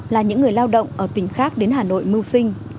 là những người lao động ở tỉnh khác đến hà nội mưu sinh